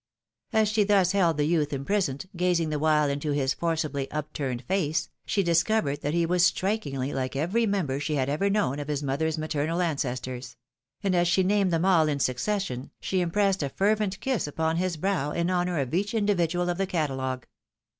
As she thus held the youth imprisoned, gazing the while into 170 THE WIDOW MARniED. his forcibly up turned face, she discovered that he 'was strikingly like every member she had ever known of his mother's maternal ancestors ; and, as she named them all in succession, she im pressed a fervent kiss upon his brow in honour of each indi vidual of the catalogue.